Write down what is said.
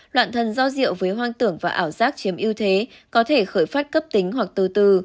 loạn thần do rượu với hoang tưởng và ảo giác chiếm ưu thế có thể khởi phát cấp tính hoặc từ từ